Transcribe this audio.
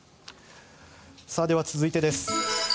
では、続いてです。